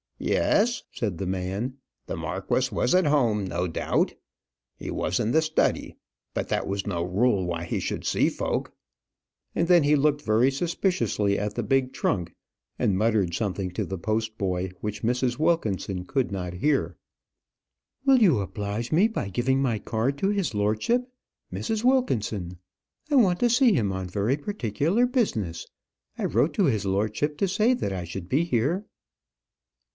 "Yes," said the man. "The marquis was at home, no doubt. He was in the study. But that was no rule why he should see folk." And then he looked very suspiciously at the big trunk, and muttered something to the post boy, which Mrs. Wilkinson could not hear. "Will you oblige me by giving my card to his lordship Mrs. Wilkinson? I want to see him on very particular business. I wrote to his lordship to say that I should be here."